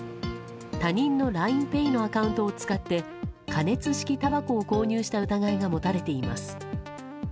他人のＬＩＮＥＰａｙのアカウントを使って加熱式たばこを購入した疑いが持たれています。